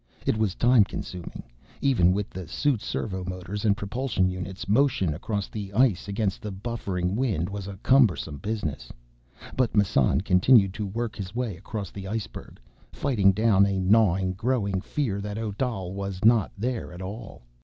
It was time consuming. Even with the suit's servomotors and propulsion units, motion across the ice, against the buffeting wind, was a cumbersome business. But Massan continued to work his way across the iceberg, fighting down a gnawing, growing fear that Odal was not there at all.